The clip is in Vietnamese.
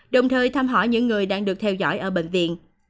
đồng thời thăm hỏi những người đang được theo dõi ở bệnh viện